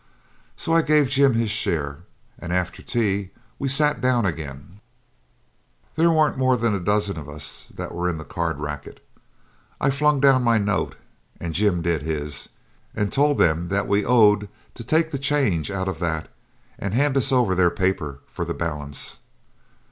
So I gave Jim his share; and after tea, when we sat down again, there weren't more than a dozen of us that were in the card racket. I flung down my note, and Jim did his, and told them that we owed to take the change out of that and hand us over their paper for the balance.